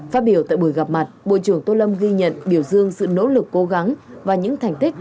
phát biểu tại buổi gặp mặt bộ trưởng tô lâm ghi nhận biểu dương sự nỗ lực cố gắng và những thành tích